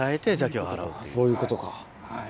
そういうことか。